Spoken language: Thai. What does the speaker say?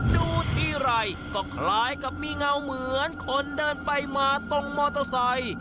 ดูทีไรก็คล้ายกับมีเงาเหมือนคนเดินไปมาตรงมอเตอร์ไซค์